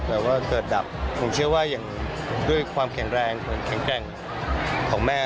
แล้วก็เกิดดับผมเชื่อว่าอย่างด้วยความแข็งแรงแข็งแกร่งของแม่